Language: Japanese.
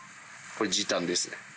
これ、時短ですね。